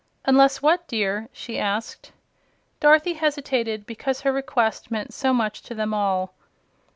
"Unless what, dear?" she asked. Dorothy hesitated, because her request meant so much to them all.